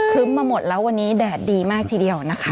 มาหมดแล้ววันนี้แดดดีมากทีเดียวนะคะ